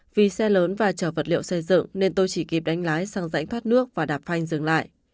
vì xe lớn và chở vật liệu xây dựng nên tôi chỉ kịp đánh lái sang rãnh thoát nước và đạp phanh dừng lại